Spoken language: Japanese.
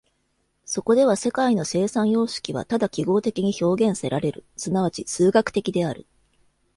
そこでは世界の生産様式はただ記号的に表現せられる、即ち数学的である。